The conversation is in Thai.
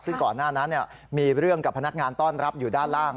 ซึ่งก่อนหน้านั้นมีเรื่องกับพนักงานต้อนรับอยู่ด้านล่าง